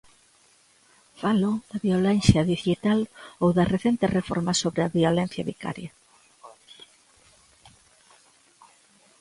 Falo da violencia dixital ou da recente reforma sobre a violencia vicaria.